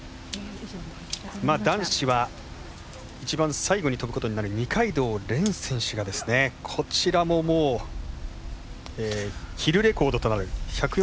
男子は一番最後に飛ぶことになる二階堂蓮選手がこちらも、もうヒルレコードとなる１４７ｍ５０。